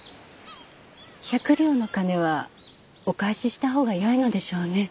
百両の金はお返しした方がよいのでしょうね。